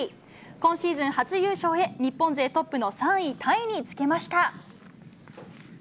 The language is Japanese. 今シーズン初優勝へ、日本勢トップの３位タイにつけました。